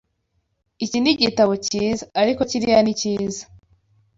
Iki ni ibitabo cyiza, ariko kiriya ni cyiza.